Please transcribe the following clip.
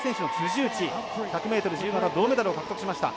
１００ｍ自由形銅メダルを獲得しました。